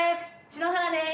篠原です。